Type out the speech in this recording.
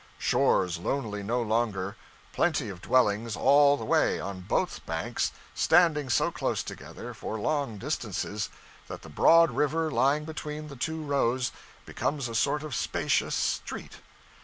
Shores lonely no longer. Plenty of dwellings all the way, on both banks standing so close together, for long distances, that the broad river lying between the two rows, becomes a sort of spacious street.